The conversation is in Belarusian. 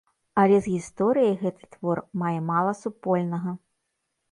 Але з гісторыяй гэты твор мае мала супольнага.